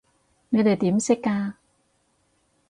你哋點識㗎？